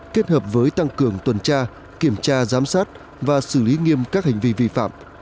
kết hợp với tăng cường tuần tra kiểm tra giám sát và xử lý nghiêm các hành vi vi phạm